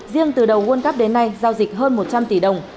riêng từ đầu world cup đến nay giao dịch hơn một trăm linh tỷ đồng